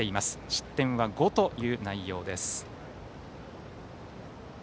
失点は５という内容です。